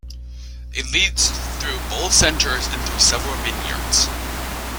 It leads through both centres and through several vineyards.